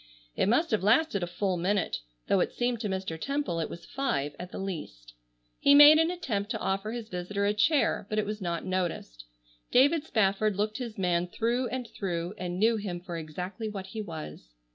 It must have lasted a full minute, though it seemed to Mr. Temple it was five at the least. He made an attempt to offer his visitor a chair, but it was not noticed. David Spafford looked his man through and through, and knew him for exactly what he was.